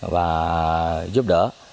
và giúp đỡ